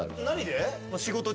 何で？